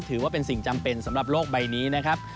ถือว่าเป็นสิ่งจำเป็นสำหรับโลกใบนี้นะครับ